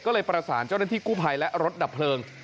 ก็เลยประสานเจ้าหน้าที่กู้ภัยและรถดับเพลิง